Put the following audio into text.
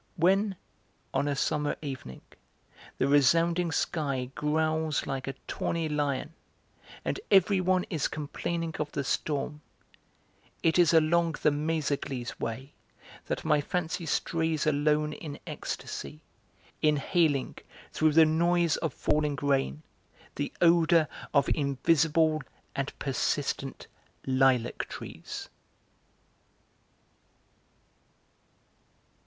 When, on a summer evening, the resounding sky growls like a tawny lion, and everyone is complaining of the storm, it is along the 'Méséglise way' that my fancy strays alone in ecstasy, inhaling, through the noise of falling rain, the odour of invisible and persistent lilac trees.